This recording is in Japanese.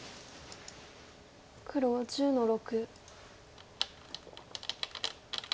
黒１０の六。